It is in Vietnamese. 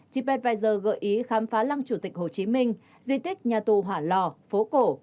chip pfizer gợi ý khám phá lăng chủ tịch hồ chí minh di tích nhà tù hỏa lò phố cổ